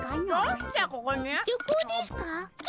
旅行ですかあ？